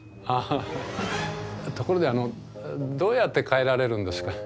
ところであのどうやって帰られるんですか？